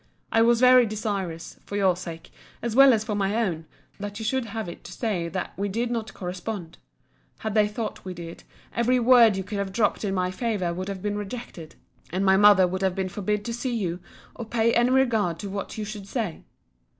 I was very desirous, for your sake, as well as for my own, that you should have it to say that we did not correspond: had they thought we did, every word you could have dropt in my favour would have been rejected; and my mother would have been forbid to see you, or pay any regard to what you should say.